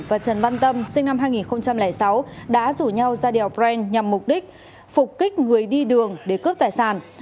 và trần văn tâm sinh năm hai nghìn sáu đã rủ nhau ra đèo brent nhằm mục đích phục kích người đi đường để cướp tài sản